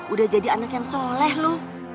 udah jadi anak yang soleh loh